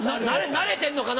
慣れてんのかな？